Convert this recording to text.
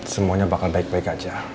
semuanya bakal baik baik aja